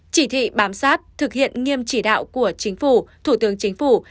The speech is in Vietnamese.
chỉ thị bám sát thực hiện nghiêm chỉ đạo của chính phủ thủ tướng chính phủ